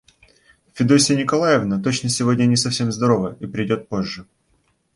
Федосья Николаевна точно сегодня не совсем здорова и придет попозже.